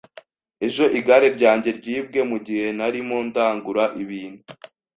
Ejo igare ryanjye ryibwe mugihe narimo ndagura ibintu.